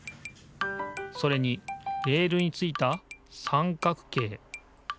それにレールについた三角形。